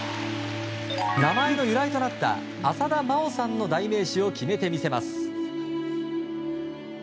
名前の由来となった浅田真央さんの代名詞を決めてみせます。